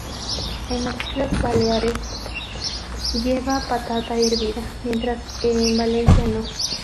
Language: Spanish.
En las Islas Baleares lleva patata hervida, mientras que en Valencia no.